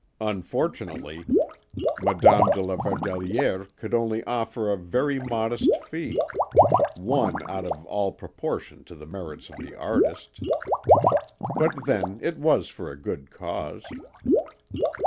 Unfortunately Madame de la Verdelière could only offer a very modest fee, one out of all proportion to the merits of the artiste, but then it was for a good cause.